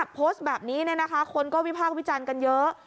โพสต์แบบนี้คนก็วิพากษ์วิจารณ์กันเยอะ